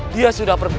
dia sudah pergi